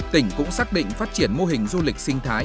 tỉnh cũng xác định phát triển mô hình du lịch sinh thái